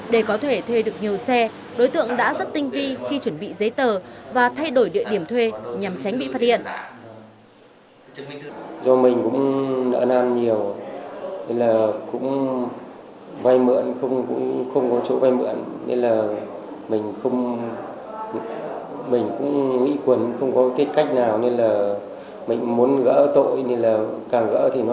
để có thể thuê được nhiều xe đối tượng đã rất tinh vi khi chuẩn bị giấy tờ và thay đổi địa điểm thuê nhằm tránh bị phát hiện